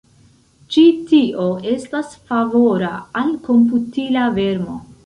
Ĉi tio estas favora al komputila vermo.